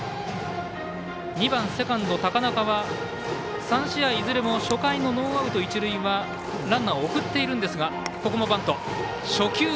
２番、セカンドの高中は３試合いずれも初回のノーアウト、一塁はランナーを送っているんですが。